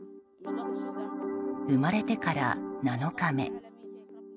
生まれてから７日目。